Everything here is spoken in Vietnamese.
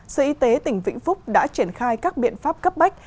sở y tế tỉnh vĩnh phúc đã triển khai các biện pháp cấp bách